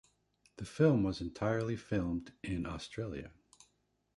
The film was entirely filmed in Australia.